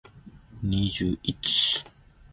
Sebenzisa amaphuzu owatholile uwabhale wena phansi.